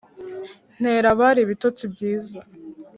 Ntera abari ibitotsi byiza